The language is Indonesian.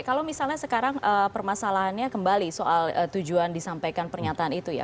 kalau misalnya sekarang permasalahannya kembali soal tujuan disampaikan pernyataan itu ya